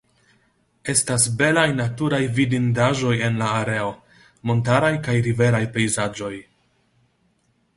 Estas belaj naturaj vidindaĵoj en la areo, montaraj kaj riveraj pejzaĝoj.